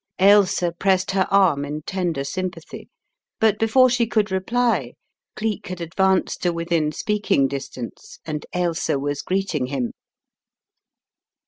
Ailsa pressed her arm in tender sympathy, but before she could reply Cleek had advanced to within speaking distance, and Ailsa was greeting him.